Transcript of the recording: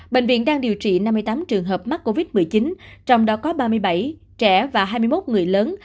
bệnh viện đang điều trị năm mươi tám trường hợp mắc covid một mươi chín trong đó có ba mươi bảy trẻ và hai mươi một người lớn